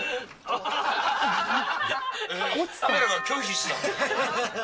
カメラが拒否した。